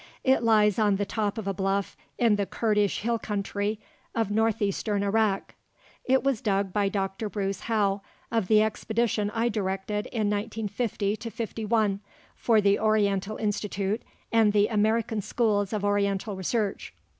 It lies on the top of a bluff in the Kurdish hill country of northeastern Iraq. It was dug by Dr. Bruce Howe of the expedition I directed in 1950 51 for the Oriental Institute and the American Schools of Oriental Research.